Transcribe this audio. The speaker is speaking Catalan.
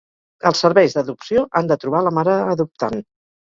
Els serveis d’adopció han de trobar la mare adoptant.